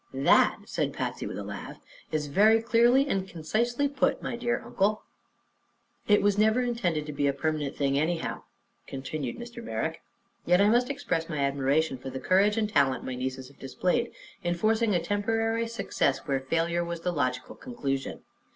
"That," said Patsy, with a laugh, "is very clearly and concisely put, my dear Uncle." "It was never intended to be a permanent thing, anyhow," continued Mr. Merrick; "yet I must express my admiration for the courage and talent my nieces have displayed in forcing a temporary success where failure was the logical conclusion.